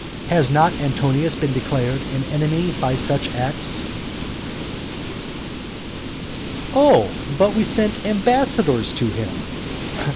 Has not Antonius been declared an enemy by such acts? "Oh, but we have sent ambassadors to him."